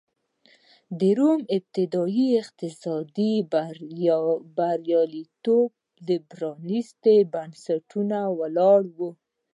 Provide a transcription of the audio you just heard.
د روم ابتدايي اقتصادي بریالیتوبونه پرانېستو بنسټونو ولاړ و.